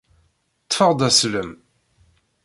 Ṭṭfeɣ-d aslem!